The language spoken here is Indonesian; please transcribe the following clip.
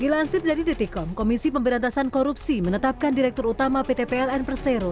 dilansir dari dtkom komisi pemberantasan korupsi menetapkan direktur utama pt pln persero